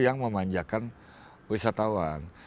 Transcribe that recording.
yang memanjakan wisatawan